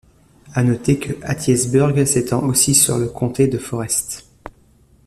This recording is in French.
À noter que Hattiesburg s’étend aussi sur le comté de Forrest.